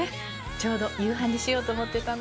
ちょうど夕飯にしようと思ってたの。